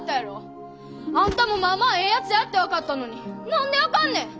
あんたもまあまあええやつやって分かったのに何であかんねん！？